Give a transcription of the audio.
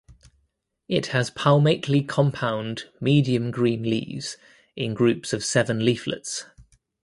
It has palmately compound medium green leaves in groups of seven leaflets.